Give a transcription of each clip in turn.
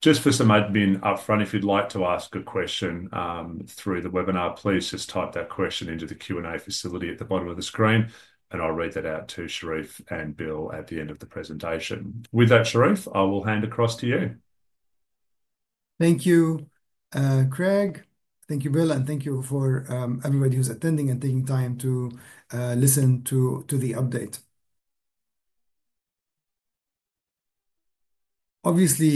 Just for some admin upfront, if you'd like to ask a question, through the webinar, please just type that question into the Q&A facility at the bottom of the screen, and I'll read that out to Charif and Bill at the end of the presentation. With that, Charif, I will hand across to you. Thank you, Craig. Thank you, Bill, and thank you, everybody who's attending and taking time to listen to the update. Obviously,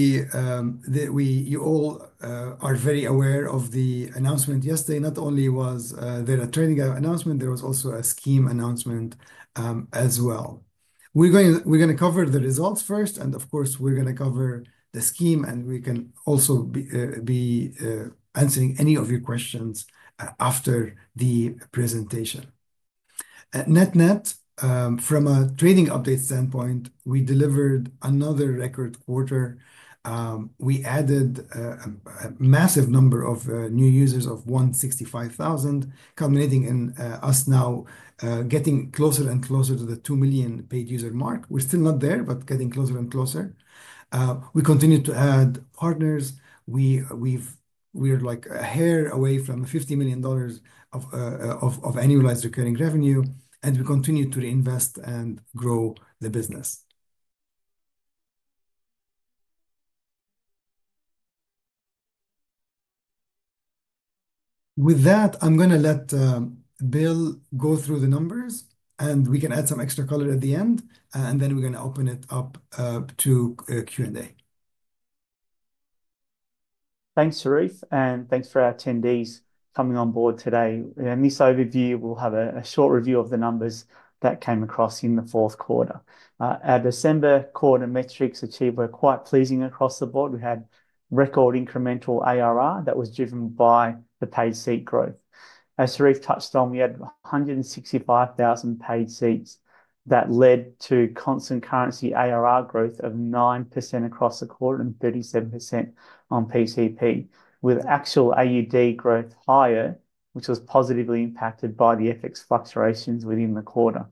you all are very aware of the announcement yesterday. Not only was there a trading announcement, there was also a scheme announcement, as well. We're going to cover the results first, and of course, we're going to cover the scheme, and we can also be answering any of your questions after the presentation. And now, from a trading update standpoint, we delivered another record quarter. We added a massive number of new users of 165,000, culminating in us now getting closer and closer to the 2 million paid user mark. We're still not there, but getting closer and closer. We continue to add partners. We're like a hair away from $50 million of annualized recurring revenue, and we continue to reinvest and grow the business. With that, I'm going to let Bill go through the numbers, and we can add some extra color at the end, and then we're going to open it up to Q&A. Thanks, Charif, and thanks for our attendees coming on board today. In this overview, we'll have a short review of the numbers that came across in the fourth quarter. Our December quarter metrics achieved were quite pleasing across the board. We had record incremental ARR that was driven by the paid seat growth. As Charif touched on, we had 165,000 paid seats that led to constant currency ARR growth of 9% across the quarter and 37% on PCP, with actual AUD growth higher, which was positively impacted by the FX fluctuations within the quarter.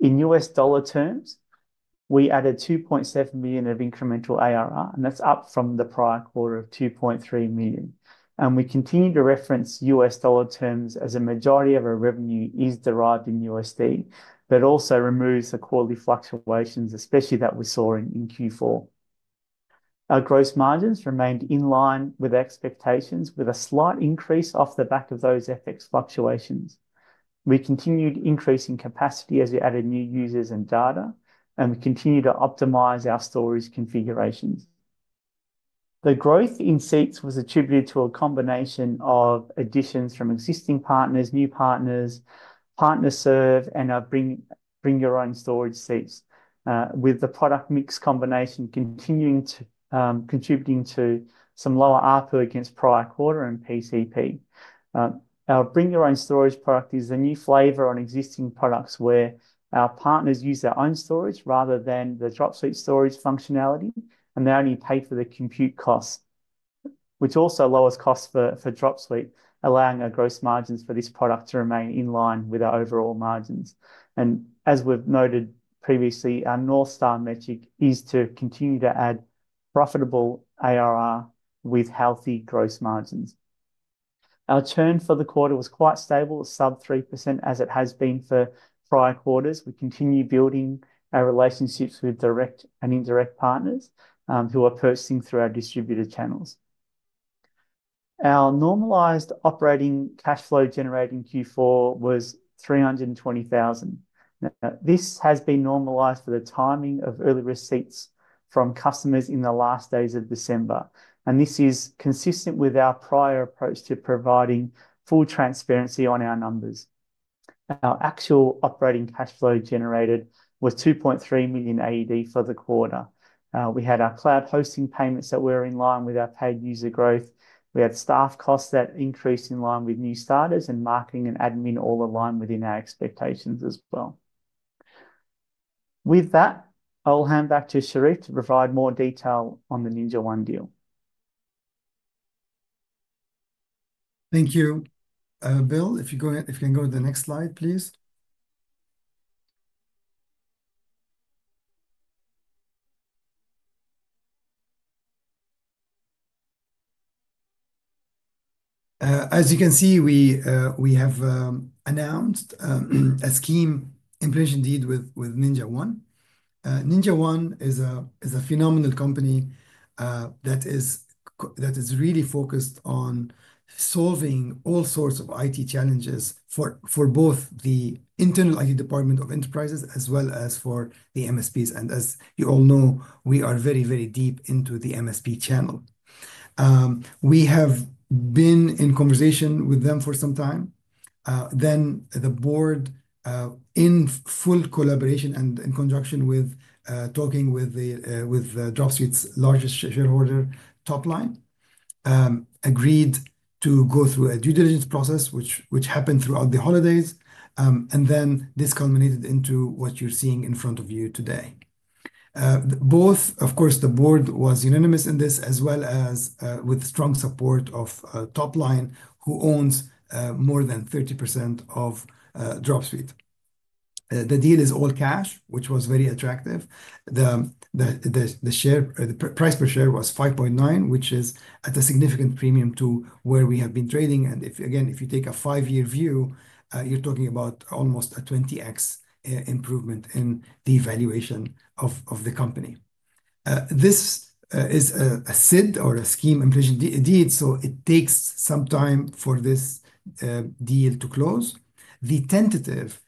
In U.S. dollar terms, we added 2.7 million of incremental ARR, and that's up from the prior quarter of 2.3 million. And we continue to reference U.S. dollar terms as a majority of our revenue is derived in USD, but also removes the quarterly fluctuations, especially that we saw in Q4. Our gross margins remained in line with expectations, with a slight increase off the back of those FX fluctuations. We continued increasing capacity as we added new users and data, and we continue to optimize our storage configurations. The growth in seats was attributed to a combination of additions from existing partners, new partners, partner serve, and our Bring Your Own Storage seats, with the product mix combination continuing to contribute to some lower RPU against prior quarter and PCP. Our Bring Your Own Storage product is a new flavor on existing products where our partners use their own storage rather than the Dropsuite storage functionality, and they only pay for the compute costs, which also lowers costs for Dropsuite, allowing our gross margins for this product to remain in line with our overall margins. And as we've noted previously, our North Star metric is to continue to add profitable ARR with healthy gross margins. Our churn for the quarter was quite stable, sub 3%, as it has been for prior quarters. We continue building our relationships with direct and indirect partners, who are purchasing through our distributor channels. Our normalized operating cash flow generating Q4 was 320,000. Now, this has been normalized for the timing of early receipts from customers in the last days of December, and this is consistent with our prior approach to providing full transparency on our numbers. Our actual operating cash flow generated was AUD 2.3 million for the quarter. We had our cloud hosting payments that were in line with our paid user growth. We had staff costs that increased in line with new starters and marketing and admin all aligned within our expectations as well. With that, I'll hand back to Charif to provide more detail on the NinjaOne deal. Thank you. Bill, if you go ahead, if you can go to the next slide, please. As you can see, we have announced a Scheme Implementation deed with NinjaOne. NinjaOne is a phenomenal company that is really focused on solving all sorts of IT challenges for both the internal IT department of enterprises as well as for the MSPs, and as you all know, we are very, very deep into the MSP channel. We have been in conversation with them for some time, then the board, in full collaboration and in conjunction with talking with Dropsuite's largest shareholder Topline, agreed to go through a due diligence process, which happened throughout the holidays, and then this culminated into what you're seeing in front of you today. Both, of course, the Board was unanimous in this, as well as with strong support of Topline, who owns more than 30% of Dropsuite. The deal is all cash, which was very attractive. The share price per share was 0.59, which is at a significant premium to where we have been trading. And if, again, if you take a five-year view, you're talking about almost a 20x improvement in the valuation of the company. This is a SID or a Scheme Implementation Deed, so it takes some time for this deal to close. The tentative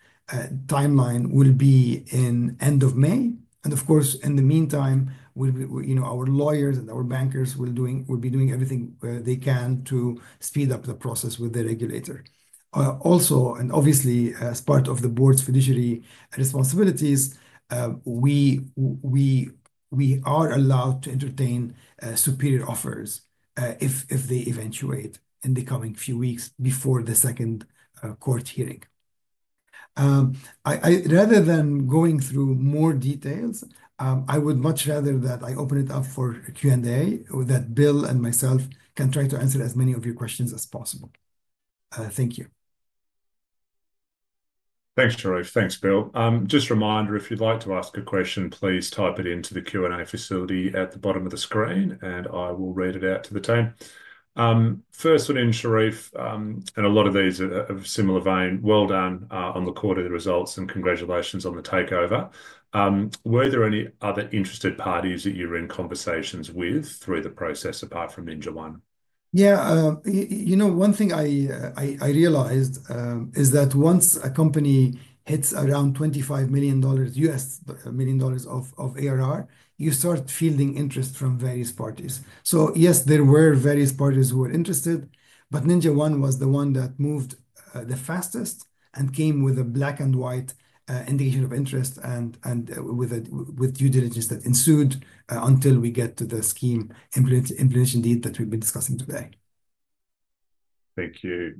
timeline will be in end of May. And of course, in the meantime, we'll be, you know, our lawyers and our bankers will be doing everything they can to speed up the process with the regulator. Also, and obviously, as part of the Board's fiduciary responsibilities, we are allowed to entertain superior offers, if they eventuate in the coming few weeks before the second court hearing. I rather than going through more details, I would much rather that I open it up for Q&A that Bill and myself can try to answer as many of your questions as possible. Thank you. Thanks, Charif. Thanks, Bill. Just a reminder, if you'd like to ask a question, please type it into the Q&A facility at the bottom of the screen, and I will read it out to the team. First one in, Charif, and a lot of these are of similar vein. Well done on the quarterly results, and congratulations on the takeover. Were there any other interested parties that you're in conversations with through the process apart from NinjaOne? Yeah, you know, one thing I realized is that once a company hits around $25 million of ARR, you start fielding interest from various parties. So yes, there were various parties who were interested, but NinjaOne was the one that moved the fastest and came with a black and white indication of interest and with due diligence that ensued, until we get to the Scheme Implementation Deed that we've been discussing today. Thank you.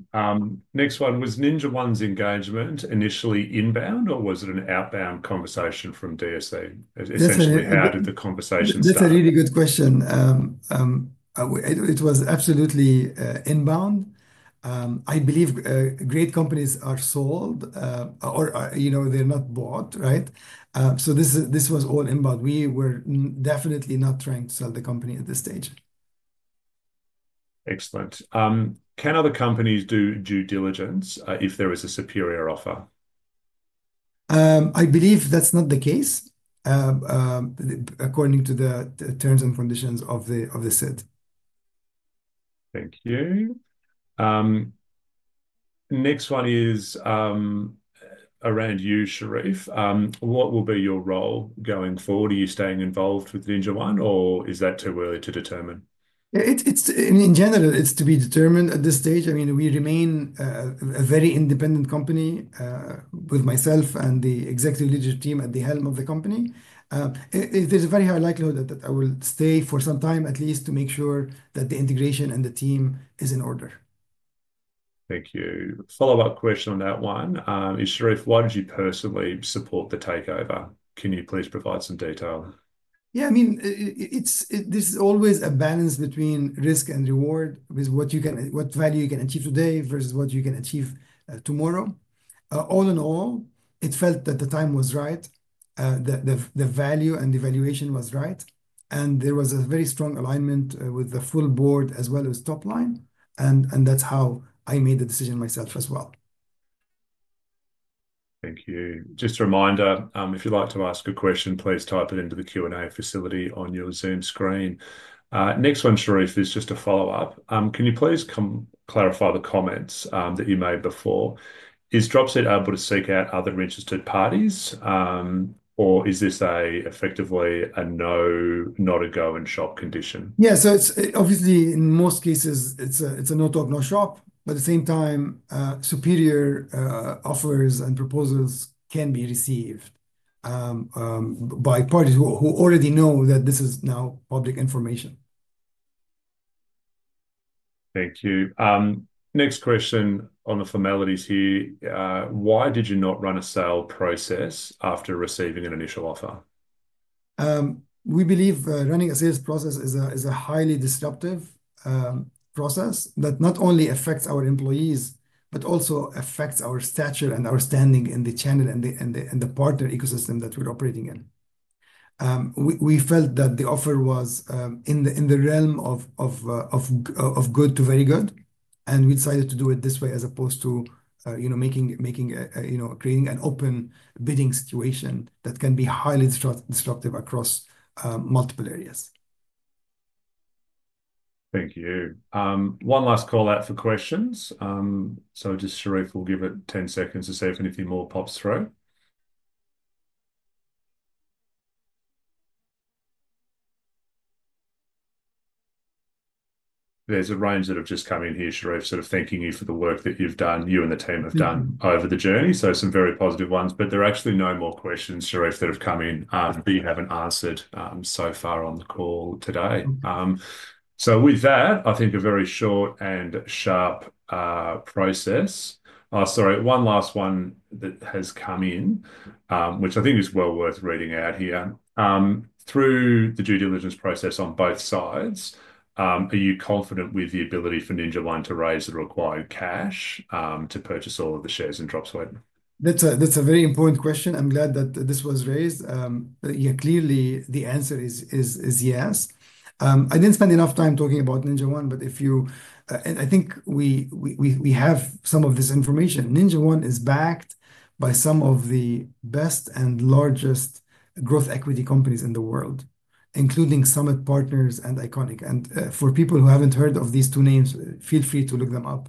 Next one was NinjaOne's engagement initially inbound, or was it an outbound conversation from DSE? Essentially, how did the conversation start? That's a really good question. It was absolutely inbound. I believe great companies are sold, or, you know, they're not bought, right, so this is, this was all inbound. We were definitely not trying to sell the company at this stage. Excellent. Can other companies do due diligence if there is a superior offer? I believe that's not the case, according to the terms and conditions of the SID. Thank you. Next one is around you, Charif. What will be your role going forward? Are you staying involved with NinjaOne, or is that too early to determine? Yeah, it's in general, it's to be determined at this stage. I mean, we remain a very independent company, with myself and the executive leadership team at the helm of the company. There's a very high likelihood that I will stay for some time, at least to make sure that the integration and the team is in order. Thank you. Follow-up question on that one. Charif, why did you personally support the takeover? Can you please provide some detail? Yeah, I mean, it's always a balance between risk and reward with what you can, what value you can achieve today versus what you can achieve tomorrow. All in all, it felt that the time was right, the value and the valuation was right, and there was a very strong alignment with the full board as well as Topline, and that's how I made the decision myself as well. Thank you. Just a reminder, if you'd like to ask a question, please type it into the Q&A facility on your Zoom screen. Next one, Charif, is just a follow-up. Can you please clarify the comments that you made before? Is Dropsuite able to seek out other interested parties, or is this effectively a no-shop, not a go-and-shop condition? Yeah, so it's obviously in most cases, it's a no talk, no shop. But at the same time, superior offers and proposals can be received by parties who already know that this is now public information. Thank you. Next question on the formalities here. Why did you not run a sale process after receiving an initial offer? We believe running a sales process is a highly disruptive process that not only affects our employees, but also affects our stature and our standing in the channel and the partner ecosystem that we're operating in. We felt that the offer was in the realm of good to very good, and we decided to do it this way as opposed to, you know, creating an open bidding situation that can be highly disruptive across multiple areas. Thank you. One last call out for questions. So just Charif, we'll give it 10 seconds to see if anything more pops through. There's a range that have just come in here, Charif, sort of thanking you for the work that you've done, you and the team have done over the journey. So some very positive ones, but there are actually no more questions, Charif, that have come in, that you haven't answered, so far on the call today. So with that, I think a very short and sharp process. Sorry, one last one that has come in, which I think is well worth reading out here. Through the due diligence process on both sides, are you confident with the ability for NinjaOne to raise the required cash to purchase all of the shares in Dropsuite? That's a very important question. I'm glad that this was raised. Yeah, clearly the answer is yes. I didn't spend enough time talking about NinjaOne, but if you, and I think we have some of this information. NinjaOne is backed by some of the best and largest growth equity companies in the world, including Summit Partners and ICONIQ. And, for people who haven't heard of these two names, feel free to look them up.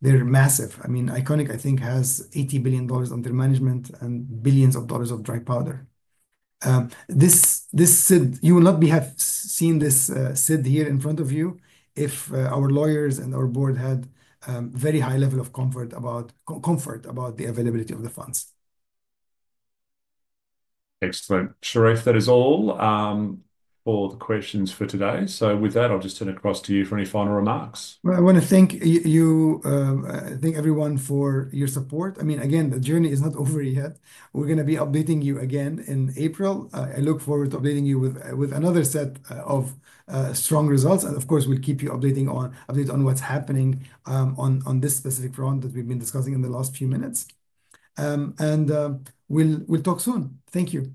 They're massive. I mean, ICONIQ, I think, has $80 billion under management and billions of dollars of dry powder. This SID, you will not have seen this SID here in front of you if our lawyers and our Board had very high level of comfort about the availability of the funds. Excellent. Charif, that is all, for the questions for today. So with that, I'll just turn across to you for any final remarks. I want to thank you. I thank everyone for your support. I mean, again, the journey is not over yet. We're going to be updating you again in April. I look forward to updating you with another set of strong results. And of course, we'll keep you updating on what's happening on this specific front that we've been discussing in the last few minutes, and we'll talk soon. Thank you.